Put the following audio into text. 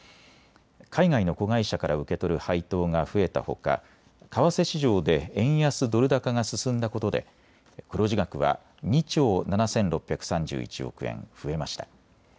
海外の子会社から受け取る配当が増えたほか為替市場で円安ドル高が進んだことで黒字額は２兆７６３１億円増えました。